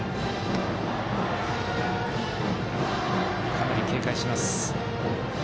かなり警戒しています。